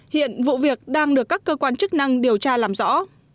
hiện vụ việc đang được các cơ quan chức năng điều tra làm rõ